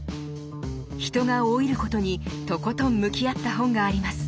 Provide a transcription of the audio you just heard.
「人が老いること」にとことん向き合った本があります。